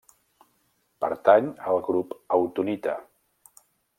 Pertany al grup autunita.